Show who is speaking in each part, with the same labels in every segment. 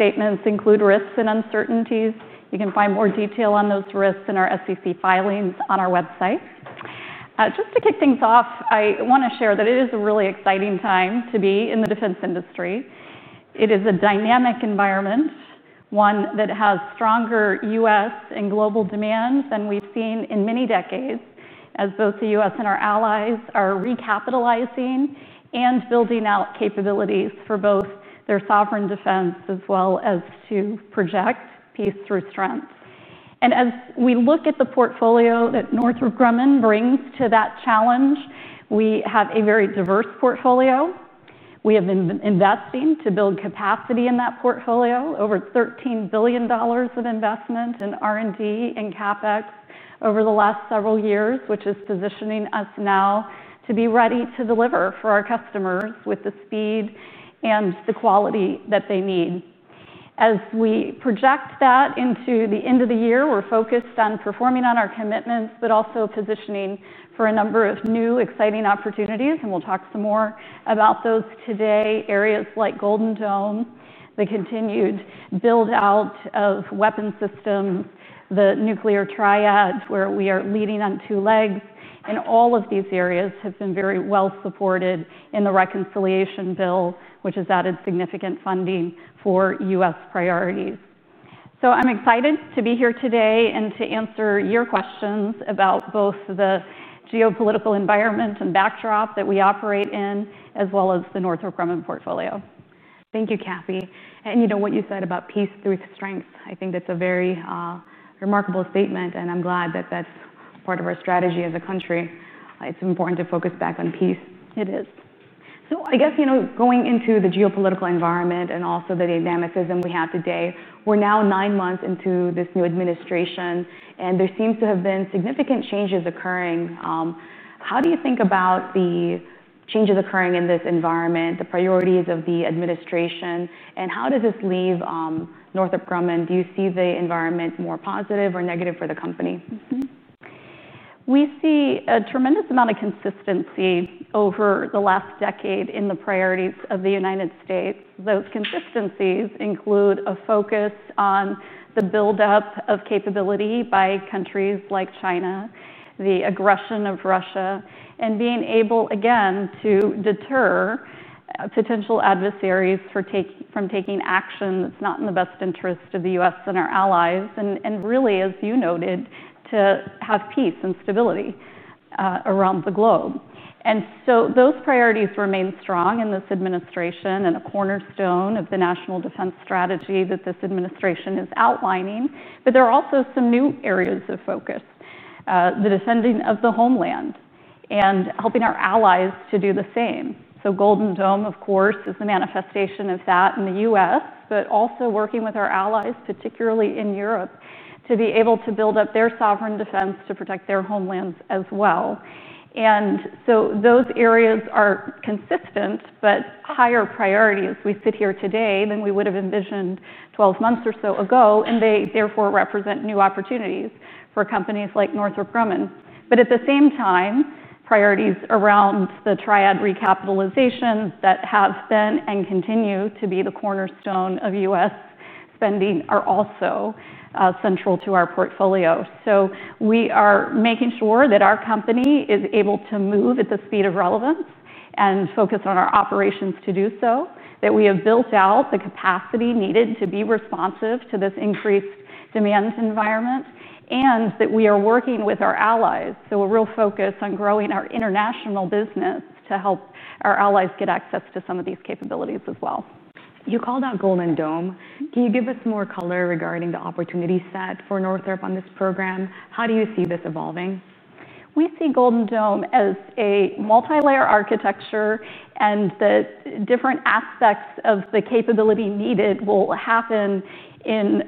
Speaker 1: Statements include risks and uncertainties. You can find more detail on those risks in our SEC filings on our website. Just to kick things off, I want to share that it is a really exciting time to be in the defense industry. It is a dynamic environment, one that has stronger U.S. and global demands than we've seen in many decades, as both the U.S. and our allies are recapitalizing and building out capabilities for both their sovereign defense as well as to project peace through strength. As we look at the portfolio that Northrop Grumman brings to that challenge, we have a very diverse portfolio. We have been investing to build capacity in that portfolio, over $13 billion of investment in R&D and CapEx over the last several years, which is positioning us now to be ready to deliver for our customers with the speed and the quality that they need. As we project that into the end of the year, we're focused on performing on our commitments, but also positioning for a number of new, exciting opportunities, and we'll talk some more about those today. Areas like Golden Dome, the continued build-out of weapons systems, the nuclear triad where we are leading on two legs, and all of these areas have been very well supported in the reconciliation bill, which has added significant funding for U.S. priorities. I'm excited to be here today and to answer your questions about both the geopolitical environment and backdrop that we operate in, as well as the Northrop Grumman portfolio.
Speaker 2: Thank you, Kathy. What you said about peace through strength, I think that's a very remarkable statement, and I'm glad that that's part of our strategy as a country. It's important to focus back on peace.
Speaker 1: It is.
Speaker 2: I guess, you know, going into the geopolitical environment and also the dynamicism we have today, we're now nine months into this new administration, and there seem to have been significant changes occurring. How do you think about the changes occurring in this environment, the priorities of the administration, and how does this leave Northrop Grumman? Do you see the environment more positive or negative for the company?
Speaker 1: We see a tremendous amount of consistency over the last decade in the priorities of the U.S. Those consistencies include a focus on the build-up of capability by countries like China, the aggression of Russia, and being able, again, to deter potential adversaries from taking action that's not in the best interest of the U.S. and our allies, and really, as you noted, to have peace and stability around the globe. Those priorities remain strong in this administration and a cornerstone of the national defense strategy that this administration is outlining, but there are also some new areas of focus. The defending of the homeland and helping our allies to do the same. Golden Dome, of course, is a manifestation of that in the U.S., but also working with our allies, particularly in Europe, to be able to build up their sovereign defense to protect their homelands as well. Those areas are consistent, but higher priorities as we sit here today than we would have envisioned 12 months or so ago, and they therefore represent new opportunities for companies like Northrop Grumman. At the same time, priorities around the nuclear triad recapitalization that have been and continue to be the cornerstone of U.S. spending are also central to our portfolio. We are making sure that our company is able to move at the speed of relevance and focus on our operations to do so, that we have built out the capacity needed to be responsive to this increased demand environment, and that we are working with our allies. There is a real focus on growing our international business to help our allies get access to some of these capabilities as well.
Speaker 2: You called out Golden Dome. Can you give us more color regarding the opportunities set for Northrop Grumman on this program? How do you see this evolving?
Speaker 1: We see Golden Dome as a multi-layer architecture, and the different aspects of the capability needed will happen in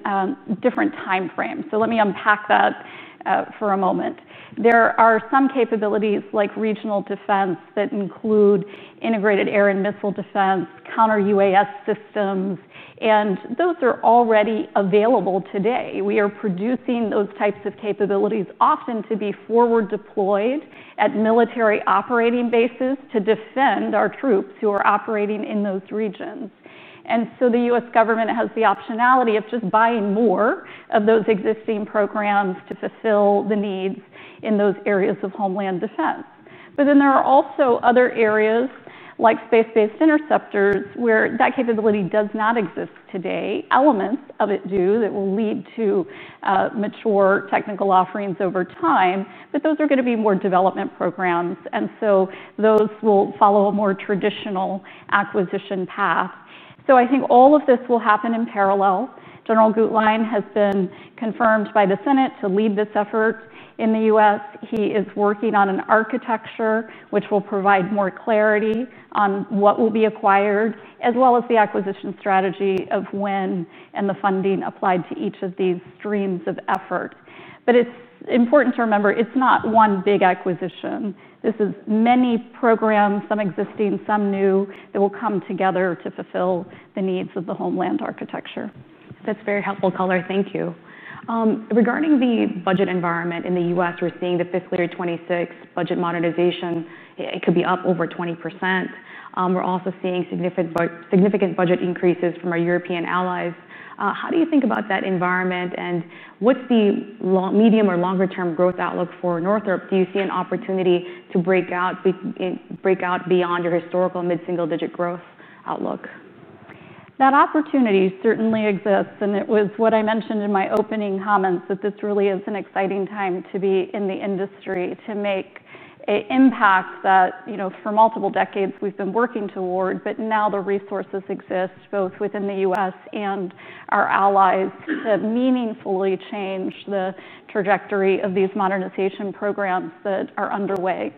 Speaker 1: different time frames. Let me unpack that for a moment. There are some capabilities like regional defense that include integrated air and missile defense, counter-UAS systems, and those are already available today. We are producing those types of capabilities often to be forward deployed at military operating bases to defend our troops who are operating in those regions. The U.S. government has the optionality of just buying more of those existing programs to fulfill the needs in those areas of homeland defense. There are also other areas like space-based interceptors where that capability does not exist today. Elements of it do that will lead to mature technical offerings over time, but those are going to be more development programs, and those will follow a more traditional acquisition path. I think all of this will happen in parallel. General Gutlein has been confirmed by the Senate to lead this effort in the U.S. He is working on an architecture which will provide more clarity on what will be acquired, as well as the acquisition strategy of when and the funding applied to each of these streams of effort. It's important to remember it's not one big acquisition. This is many programs, some existing, some new, that will come together to fulfill the needs of the homeland architecture.
Speaker 2: That's very helpful color. Thank you. Regarding the budget environment in the U.S., we're seeing the fiscal year 2026 budget modernization. It could be up over 20%. We're also seeing significant budget increases from our European allies. How do you think about that environment, and what's the medium or longer-term growth outlook for Northrop Grumman? Do you see an opportunity to break out beyond your historical mid-single-digit growth outlook?
Speaker 1: That opportunity certainly exists, and it was what I mentioned in my opening comments that this really is an exciting time to be in the industry to make an impact that, for multiple decades, we've been working toward, but now the resources exist both within the U.S. and our allies to meaningfully change the trajectory of these modernization programs that are underway.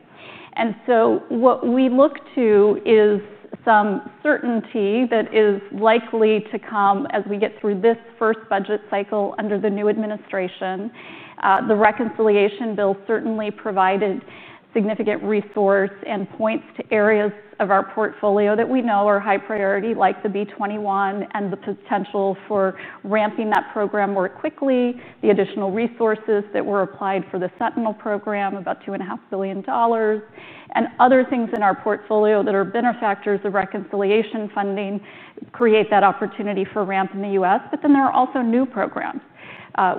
Speaker 1: What we look to is some certainty that is likely to come as we get through this first budget cycle under the new administration. The reconciliation bill certainly provided significant resource and points to areas of our portfolio that we know are high priority, like the B-21 and the potential for ramping that program more quickly, the additional resources that were applied for the Sentinel program, about $2.5 billion, and other things in our portfolio that are benefactors of reconciliation funding create that opportunity for ramp in the U.S., but then there are also new programs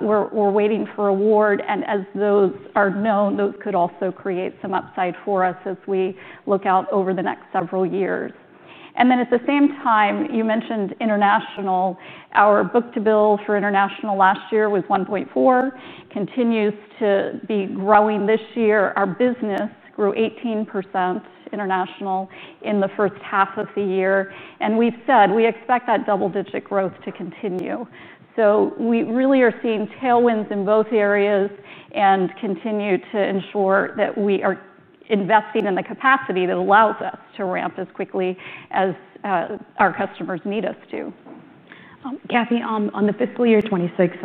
Speaker 1: we're waiting for award, and as those are known, those could also create some upside for us as we look out over the next several years. At the same time, you mentioned international. Our book-to-bill for international last year was 1.4, continues to be growing this year. Our business grew 18% international in the first half of the year, and we've said we expect that double-digit growth to continue. We really are seeing tailwinds in both areas and continue to ensure that we are investing in the capacity that allows us to ramp as quickly as our customers need us to.
Speaker 2: Kathy, on the fiscal year 2026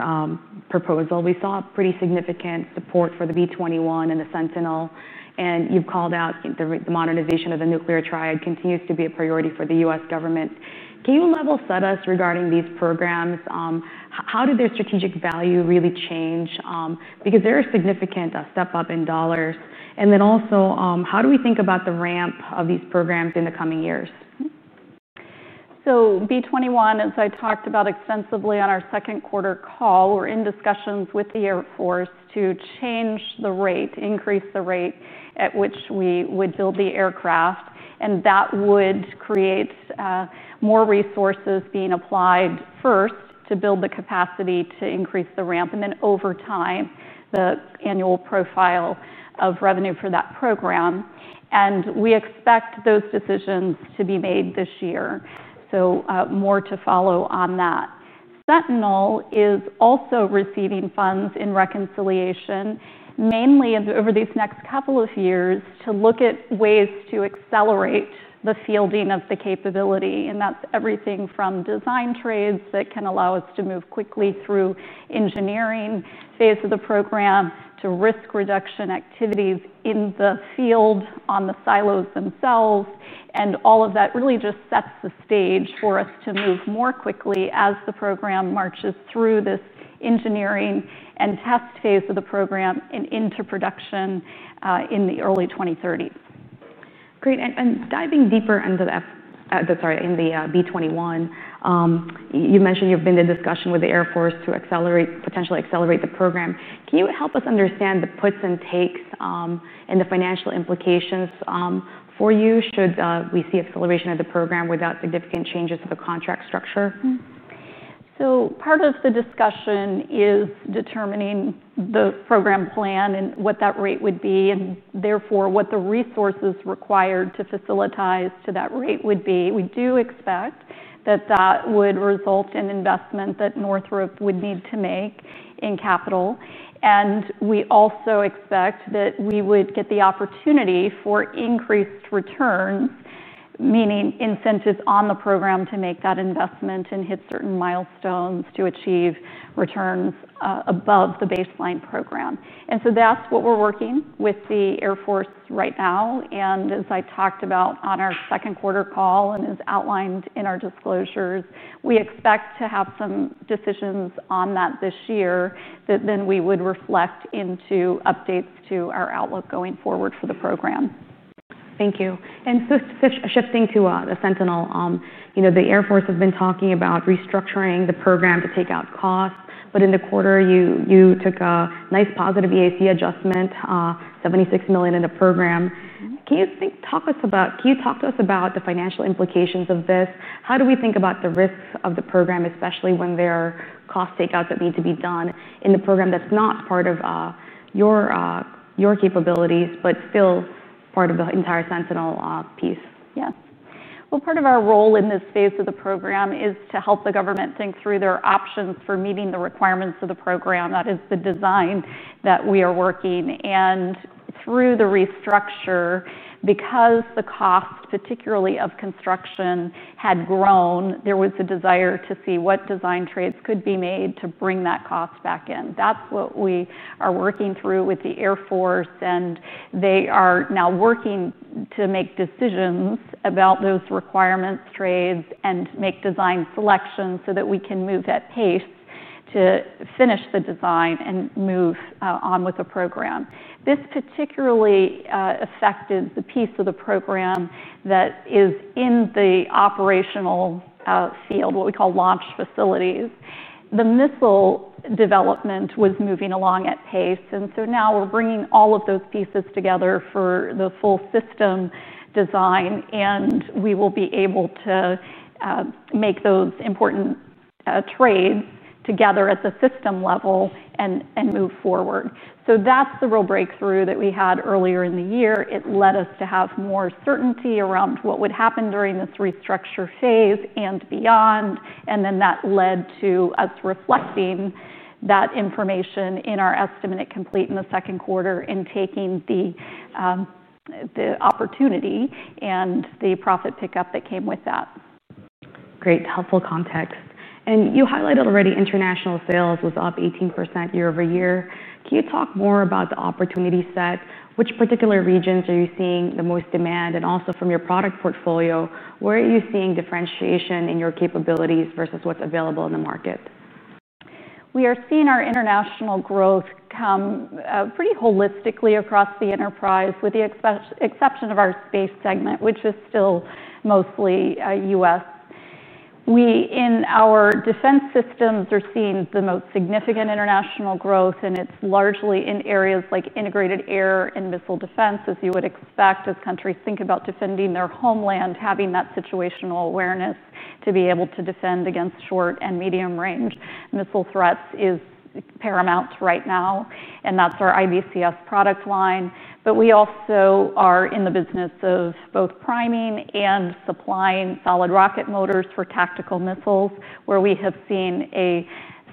Speaker 2: proposal, we saw pretty significant support for the B-21 Raider and the Sentinel, and you've called out the modernization of the nuclear triad continues to be a priority for the U.S. government. Can you level-set us regarding these programs? How did their strategic value really change? Because there is a significant step up in dollars, and then also how do we think about the ramp of these programs in the coming years?
Speaker 1: B-21, as I talked about extensively on our second quarter call, we're in discussions with the Air Force to change the rate, increase the rate at which we would build the aircraft. That would create more resources being applied first to build the capacity to increase the ramp, and then over time the annual profile of revenue for that program. We expect those decisions to be made this year. More to follow on that. Sentinel is also receiving funds in reconciliation, mainly over these next couple of years to look at ways to accelerate the fielding of the capability. That's everything from design trades that can allow us to move quickly through the engineering phase of the program to risk reduction activities in the field on the silos themselves, and all of that really just sets the stage for us to move more quickly as the program marches through this engineering and test phase of the program and into production in the early 2030s.
Speaker 2: Great, diving deeper into that, in the B-21, you mentioned you've been in discussion with the Air Force to potentially accelerate the program. Can you help us understand the puts and takes and the financial implications for you should we see acceleration of the program without significant changes to the contract structure?
Speaker 1: Part of the discussion is determining the program plan and what that rate would be, and therefore what the resources required to facilitate to that rate would be. We do expect that would result in investment that Northrop Grumman would need to make in capital, and we also expect that we would get the opportunity for increased returns, meaning incentives on the program to make that investment and hit certain milestones to achieve returns above the baseline program. That is what we're working with the Air Force right now, and as I talked about on our second quarter call and as outlined in our disclosures, we expect to have some decisions on that this year that we would then reflect into updates to our outlook going forward for the program.
Speaker 2: Thank you. Shifting to the Sentinel, the Air Force has been talking about restructuring the program to take out costs, but in the quarter you took a nice positive EAC adjustment, $76 million in the program. Can you talk to us about the financial implications of this? How do we think about the risks of the program, especially when there are cost takeouts that need to be done in the program that's not part of your capabilities, but still part of the entire Sentinel piece?
Speaker 1: Yes. Part of our role in this phase of the program is to help the government think through their options for meeting the requirements of the program. That is the design that we are working, and through the restructure, because the cost, particularly of construction, had grown, there was a desire to see what design trades could be made to bring that cost back in. That is what we are working through with the Air Force, and they are now working to make decisions about those requirements, trades, and make design selections so that we can move at pace to finish the design and move on with the program. This particularly affected the piece of the program that is in the operational field, what we call launch facilities. The missile development was moving along at pace, and now we're bringing all of those pieces together for the full system design, and we will be able to make those important trades together at the system level and move forward. That is the real breakthrough that we had earlier in the year. It led us to have more certainty around what would happen during this restructure phase and beyond, and that led to us reflecting that information in our estimate at complete in the second quarter and taking the opportunity and the profit pickup that came with that.
Speaker 2: Great, helpful context. You highlighted already international sales was up 18% year over year. Can you talk more about the opportunity set? Which particular regions are you seeing the most demand, and also from your product portfolio, where are you seeing differentiation in your capabilities versus what's available in the market?
Speaker 1: We are seeing our international growth come pretty holistically across the enterprise, with the exception of our space segment, which is still mostly U.S. In our defense systems, we are seeing the most significant international growth, and it's largely in areas like integrated air and missile defense, as you would expect as countries think about defending their homeland. Having that situational awareness to be able to defend against short and medium-range missile threats is paramount right now, and that's our IBCS product line. We also are in the business of both priming and supplying solid rocket motors for tactical missiles, where we have seen a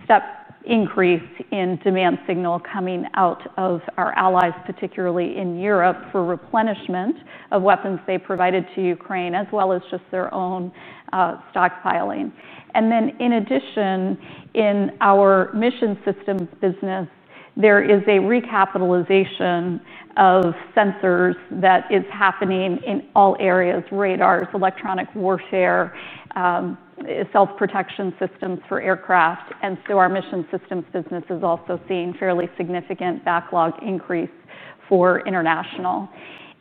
Speaker 1: step increase in demand signal coming out of our allies, particularly in Europe, for replenishment of weapons they provided to Ukraine, as well as just their own stockpiling. In addition, in our mission systems business, there is a recapitalization of sensors that is happening in all areas: radars, electronic warfare, self-protection systems for aircraft. Our mission systems business is also seeing fairly significant backlog increase for international.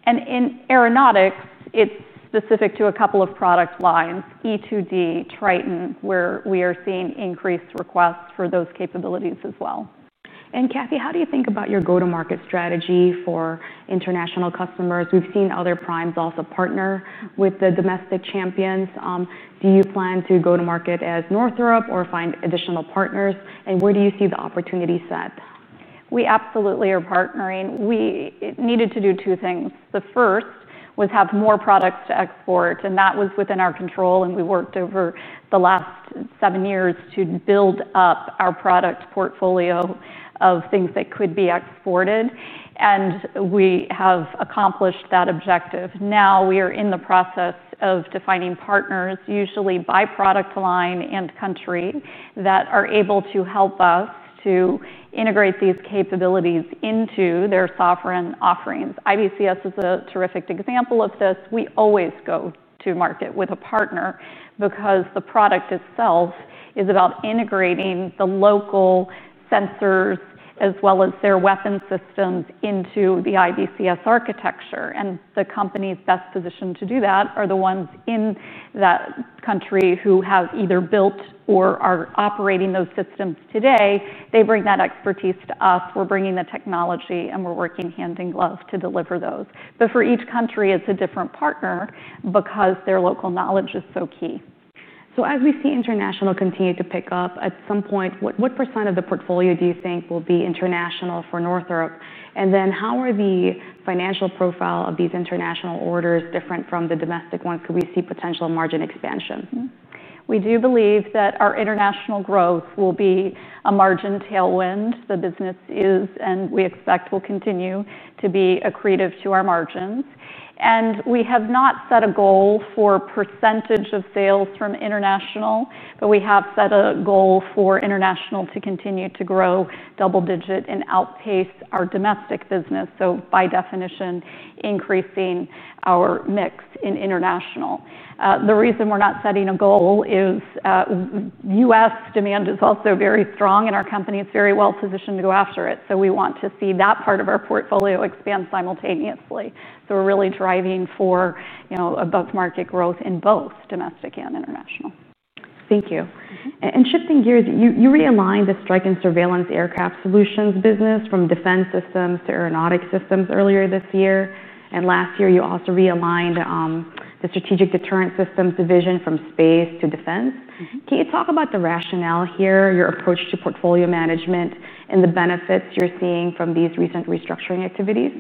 Speaker 1: In aeronautics, it's specific to a couple of product lines: E-2D, Triton, where we are seeing increased requests for those capabilities as well.
Speaker 2: Kathy, how do you think about your go-to-market strategy for international customers? We've seen other primes also partner with the domestic champions. Do you plan to go to market as Northrop Grumman or find additional partners, and where do you see the opportunity set?
Speaker 1: We absolutely are partnering. We needed to do two things. The first was have more products to export, and that was within our control, and we worked over the last seven years to build up our product portfolio of things that could be exported, and we have accomplished that objective. Now we are in the process of defining partners, usually by product line and country, that are able to help us to integrate these capabilities into their sovereign offerings. IBCS is a terrific example of this. We always go to market with a partner because the product itself is about integrating the local sensors as well as their weapon systems into the IBCS architecture, and the companies best positioned to do that are the ones in that country who have either built or are operating those systems today. They bring that expertise to us. We're bringing the technology, and we're working hand in glove to deliver those. For each country, it's a different partner because their local knowledge is so key.
Speaker 2: As we see international continue to pick up, at some point, what % of the portfolio do you think will be international for Northrop Grumman, and then how are the financial profile of these international orders different from the domestic one? Could we see potential margin expansion?
Speaker 1: We do believe that our international growth will be a margin tailwind. The business is, and we expect will continue to be, accretive to our margins, and we have not set a goal for % of sales from international, but we have set a goal for international to continue to grow double-digit and outpace our domestic business, by definition increasing our mix in international. The reason we're not setting a goal is U.S. demand is also very strong, and our company is very well positioned to go after it. We want to see that part of our portfolio expand simultaneously. We're really driving for above-market growth in both domestic and international.
Speaker 2: Thank you. Shifting gears, you realigned the strike and surveillance aircraft solutions business from Defense Systems to Aeronautics Systems earlier this year, and last year you also realigned the Strategic Deterrent Systems division from Space to Defense. Can you talk about the rationale here, your approach to portfolio management, and the benefits you're seeing from these recent restructuring activities?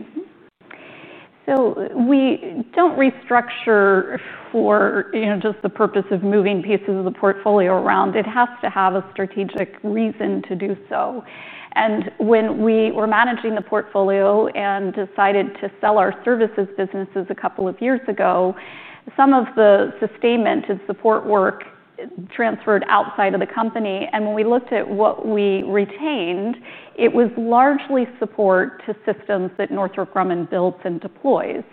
Speaker 1: We don't restructure for just the purpose of moving pieces of the portfolio around. It has to have a strategic reason to do so, and when we were managing the portfolio and decided to sell our services businesses a couple of years ago, some of the sustainment and support work transferred outside of the company. When we looked at what we retained, it was largely support to systems that Northrop Grumman builds and deploys.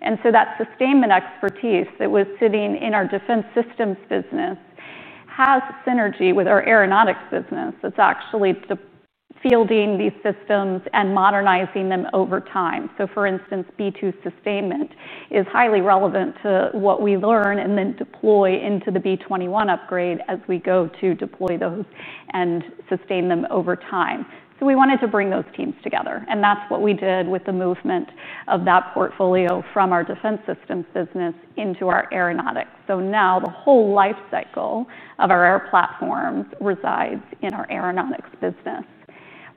Speaker 1: That sustainment expertise that was sitting in our defense systems business has synergy with our aeronautics business. It's actually fielding these systems and modernizing them over time. For instance, B-2 sustainment is highly relevant to what we learn and then deploy into the B-21 upgrade as we go to deploy those and sustain them over time. We wanted to bring those teams together, and that's what we did with the movement of that portfolio from our defense systems business into our aeronautics. Now the whole lifecycle of our air platforms resides in our aeronautics business.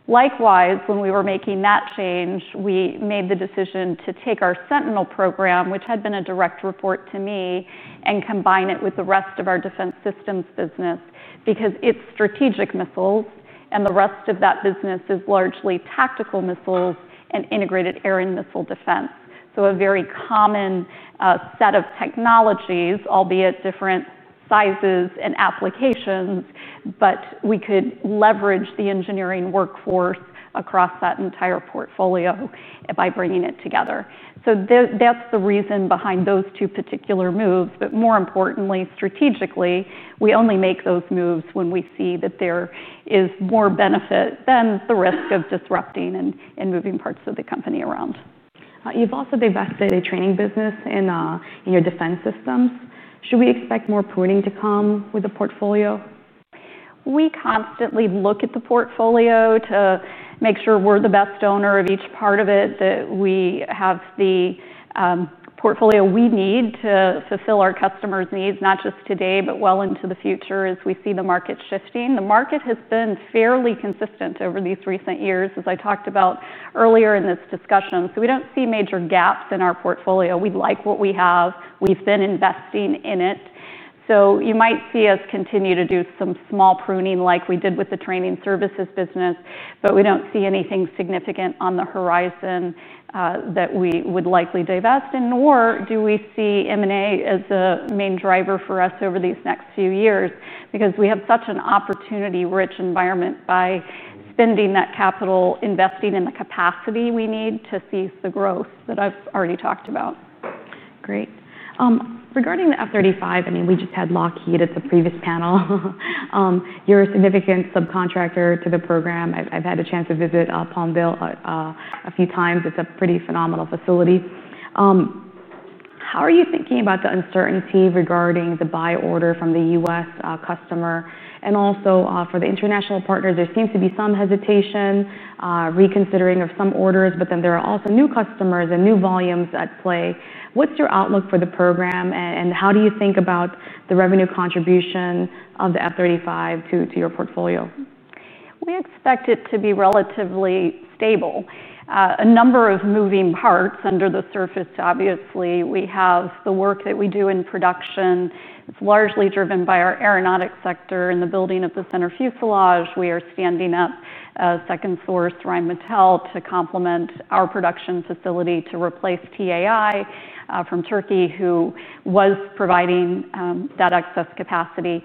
Speaker 1: Likewise, when we were making that change, we made the decision to take our Sentinel program, which had been a direct report to me, and combine it with the rest of our defense systems business because it's strategic missiles, and the rest of that business is largely tactical missiles and integrated air and missile defense. A very common set of technologies, albeit different sizes and applications, but we could leverage the engineering workforce across that entire portfolio by bringing it together. That's the reason behind those two particular moves, but more importantly, strategically, we only make those moves when we see that there is more benefit than the risk of disrupting and moving parts of the company around.
Speaker 2: You've also divested a training business in your Defense Systems. Should we expect more pruning to come with the portfolio?
Speaker 1: We constantly look at the portfolio to make sure we're the best owner of each part of it, that we have the portfolio we need to fulfill our customers' needs, not just today, but well into the future as we see the market shifting. The market has been fairly consistent over these recent years, as I talked about earlier in this discussion. We don't see major gaps in our portfolio. We like what we have. We've been investing in it. You might see us continue to do some small pruning like we did with the training services business, but we don't see anything significant on the horizon that we would likely divest in, nor do we see M&A as a main driver for us over these next few years because we have such an opportunity-rich environment by spending that capital, investing in the capacity we need to seize the growth that I've already talked about.
Speaker 2: Great. Regarding the F-35, I mean, we just had Lockheed at the previous panel. You're a significant subcontractor to the program. I've had a chance to visit Palmdale a few times. It's a pretty phenomenal facility. How are you thinking about the uncertainty regarding the buy order from the U.S. customer? Also, for the international partners, there seems to be some hesitation, reconsidering of some orders, but then there are also new customers and new volumes at play. What's your outlook for the program, and how do you think about the revenue contribution of the F-35 to your portfolio?
Speaker 1: We expect it to be relatively stable. A number of moving parts under the surface, obviously. We have the work that we do in production. It's largely driven by our Aeronautics sector and the building of the center fuselage. We are standing up a second source, Rheinmetall, to complement our production facility to replace TAI from Turkey, who was providing that excess capacity.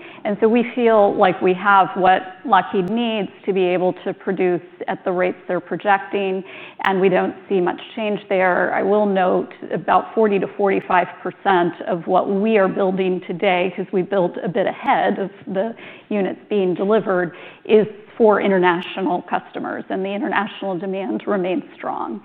Speaker 1: We feel like we have what Lockheed needs to be able to produce at the rates they're projecting, and we don't see much change there. I will note about 40% to 45% of what we are building today, because we build a bit ahead of the units being delivered, is for international customers, and the international demand remains strong.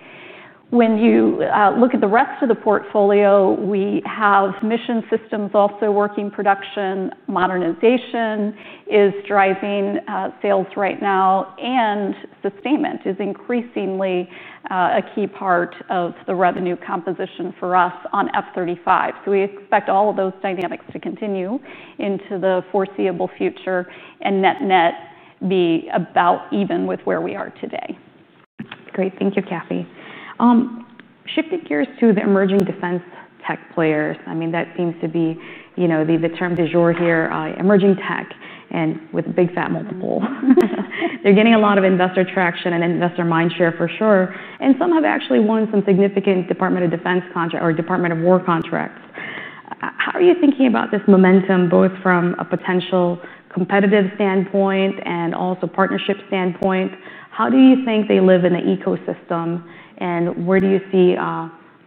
Speaker 1: When you look at the rest of the portfolio, we have Mission Systems also working in production. Modernization is driving sales right now, and sustainment is increasingly a key part of the revenue composition for us on F-35. We expect all of those dynamics to continue into the foreseeable future and net net be about even with where we are today.
Speaker 2: Great, thank you, Kathy. Shifting gears to the emerging defense tech players, that seems to be the term du jour here, emerging tech and with a big fat multiple. They're getting a lot of investor traction and investor mindshare for sure, and some have actually won some significant Department of Defense contract or Department of War contracts. How are you thinking about this momentum, both from a potential competitive standpoint and also partnership standpoint? How do you think they live in the ecosystem, and where do you see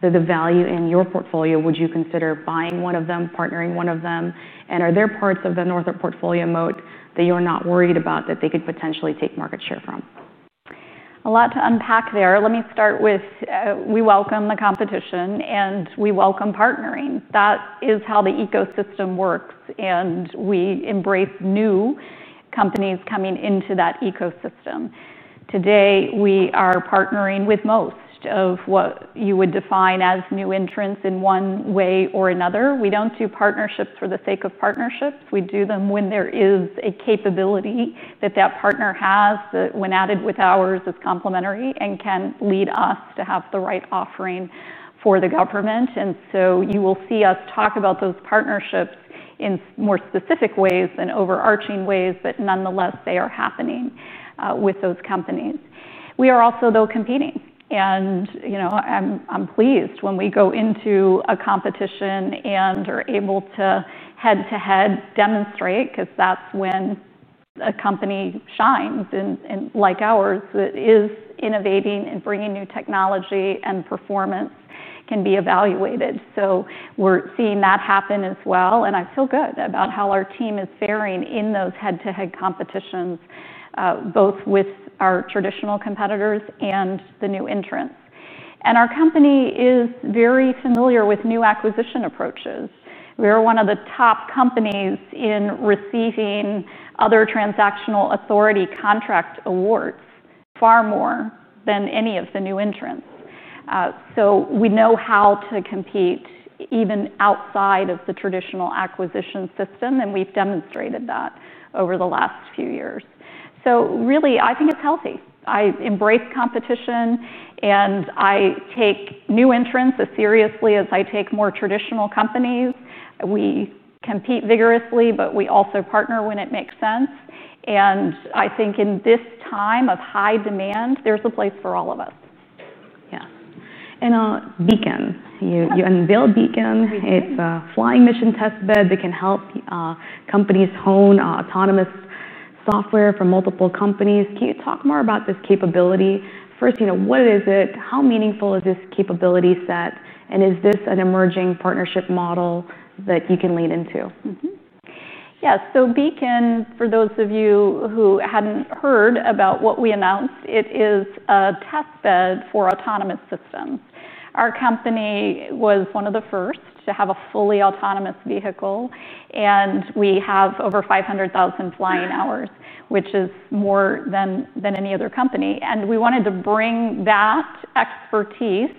Speaker 2: the value in your portfolio? Would you consider buying one of them, partnering one of them, and are there parts of the Northrop Grumman portfolio moat that you're not worried about that they could potentially take market share from?
Speaker 1: A lot to unpack there. Let me start with we welcome the competition, and we welcome partnering. That is how the ecosystem works, and we embrace new companies coming into that ecosystem. Today, we are partnering with most of what you would define as new entrants in one way or another. We do not do partnerships for the sake of partnerships. We do them when there is a capability that that partner has that, when added with ours, is complementary and can lead us to have the right offering for the government. You will see us talk about those partnerships in more specific ways than overarching ways, but nonetheless, they are happening with those companies. We are also, though, competing, and I am pleased when we go into a competition and are able to head-to-head demonstrate because that is when a company shines, and like ours, it is innovating and bringing new technology, and performance can be evaluated. We are seeing that happen as well, and I feel good about how our team is faring in those head-to-head competitions, both with our traditional competitors and the new entrants. Our company is very familiar with new acquisition approaches. We are one of the top companies in receiving other transactional authority contract awards, far more than any of the new entrants. We know how to compete even outside of the traditional acquisition system, and we have demonstrated that over the last few years. I think it is healthy. I embrace competition, and I take new entrants as seriously as I take more traditional companies. We compete vigorously, but we also partner when it makes sense, and I think in this time of high demand, there is a place for all of us.
Speaker 2: Yes. Beacon, you unveiled Beacon. It's a flying mission testbed that can help companies hone autonomous software for multiple companies. Can you talk more about this capability? First, what is it? How meaningful is this capability set, and is this an emerging partnership model that you can lead into?
Speaker 1: Yes, so Beacon, for those of you who hadn't heard about what we announced, it is a testbed for autonomous systems. Our company was one of the first to have a fully autonomous vehicle, and we have over 500,000 flying hours, which is more than any other company, and we wanted to bring that expertise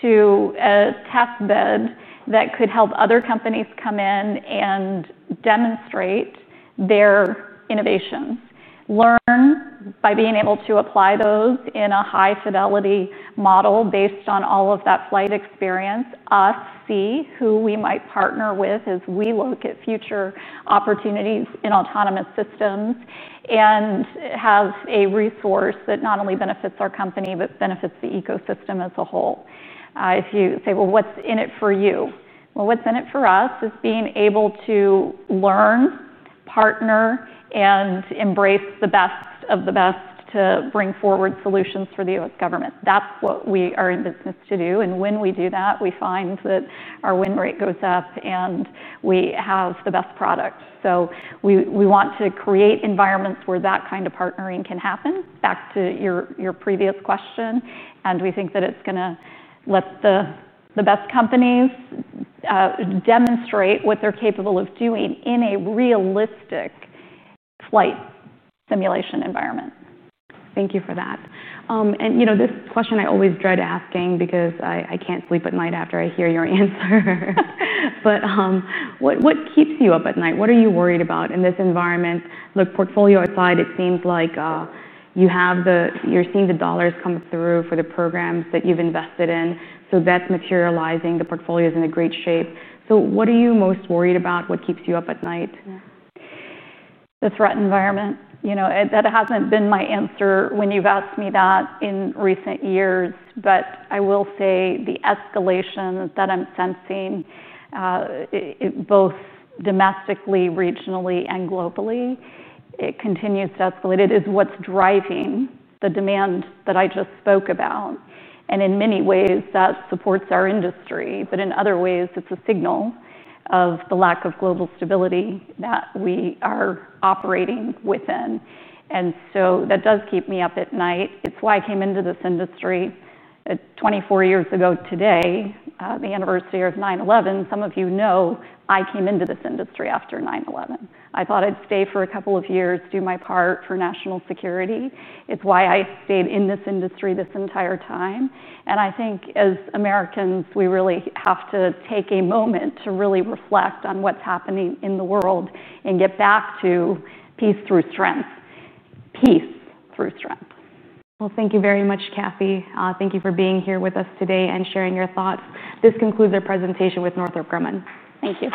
Speaker 1: to a testbed that could help other companies come in and demonstrate their innovations, learn by being able to apply those in a high-fidelity model based on all of that flight experience, us see who we might partner with as we look at future opportunities in autonomous systems, and have a resource that not only benefits our company but benefits the ecosystem as a whole. If you say, what's in it for you? What's in it for us is being able to learn, partner, and embrace the best of the best to bring forward solutions for the U.S. government. That's what we are in business to do, and when we do that, we find that our win rate goes up, and we have the best product. We want to create environments where that kind of partnering can happen, back to your previous question, and we think that it's going to let the best companies demonstrate what they're capable of doing in a realistic flight simulation environment.
Speaker 2: Thank you for that. This question I always dread asking because I can't sleep at night after I hear your answer, but what keeps you up at night? What are you worried about in this environment? The portfolio aside, it seems like you're seeing the dollars come through for the programs that you've invested in, so that's materializing. The portfolio is in great shape. What are you most worried about? What keeps you up at night?
Speaker 1: The threat environment. That hasn't been my answer when you've asked me that in recent years, but I will say the escalation that I'm sensing, both domestically, regionally, and globally, continues to escalate. It is what's driving the demand that I just spoke about, and in many ways, that supports our industry, but in other ways, it's a signal of the lack of global stability that we are operating within. That does keep me up at night. It's why I came into this industry 24 years ago today, the anniversary of 9/11. Some of you know I came into this industry after 9/11. I thought I'd stay for a couple of years, do my part for national security. It's why I stayed in this industry this entire time, and I think as Americans, we really have to take a moment to really reflect on what's happening in the world and get back to peace through strength, peace through strength.
Speaker 2: Thank you very much, Kathy. Thank you for being here with us today and sharing your thoughts. This concludes our presentation with Northrop Grumman.
Speaker 1: Thank you.